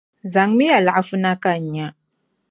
Zaŋmiya laɣifu na ka n nya.